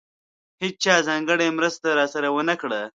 هېچا ځانګړې مرسته راسره ونه کړه.